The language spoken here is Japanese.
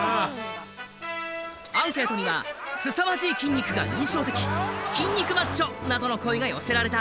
アンケートには「凄まじい筋肉が印象的」「筋肉マッチョ」などの声が寄せられた。